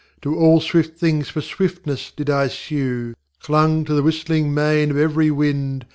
To all swift things for swiftness did I sue; Clung to the whistling mane of every wind.